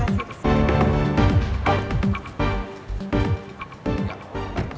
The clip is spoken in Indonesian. terima kasih rizk